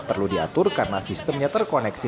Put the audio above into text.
perlu diatur karena sistemnya terkoneksi